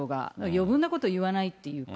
よぶんなことは言わないっていうか。